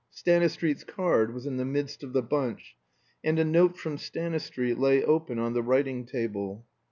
Stanistreet's card was in the midst of the bunch, and a note from Stanistreet lay open on the writing table.